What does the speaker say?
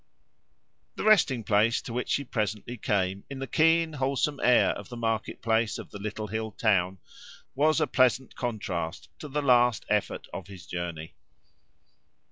The resting place to which he presently came, in the keen, wholesome air of the market place of the little hill town, was a pleasant contrast to that last effort of his journey.